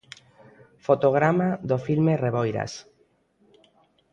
Fotograma do filme Reboiras.